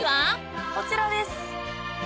こちらです！